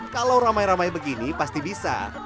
kalau ramai ramai begini pasti bisa